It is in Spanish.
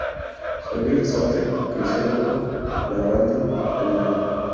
Solier, Salta, Crisólogo Larralde, Gral.